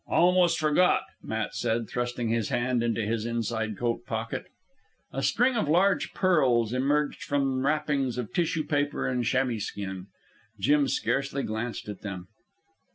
"I almost forgot," Matt said, thrusting his hand into his inside coat pocket. A string of large pearls emerged from wrappings of tissue paper and chamois skin. Jim scarcely glanced at them.